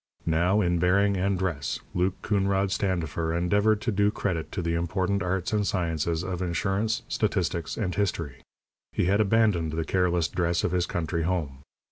Now, in bearing and dress, Luke Coonrod Sandifer endeavoured to do credit to the important arts and sciences of Insurance, Statistics, and History. He had abandoned the careless dress of his country home.